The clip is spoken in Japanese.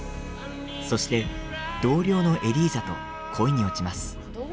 そして同僚のエリーザと恋に落ちます。